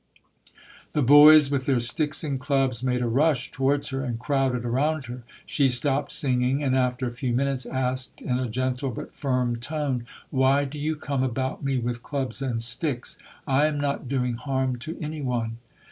The boys with their sticks and clubs made a rush towards her and crowded around her. She stopped singing and after a few minutes asked in a gentle but firm tone, "Why do you come about me with clubs and sticks? I am not doing harm to any one".